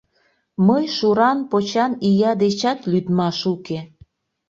Мый шуран-почан ия дечат лӱдмаш уке.